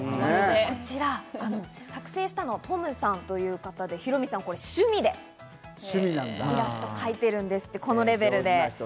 こちら作成したのはＴｏｍさんという方で、ヒロミさん、趣味でイラストを描いているんですって、このレベルで。